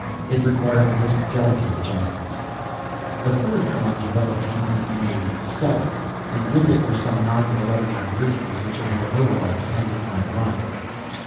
It required the most delicate adjustments. The portatron developed to be in a "cellar" and with it were some nine or eleven aboriginals which it had immobilized pending my arrival.